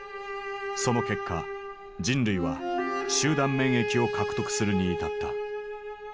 その結果人類は集団免疫を獲得するに至った。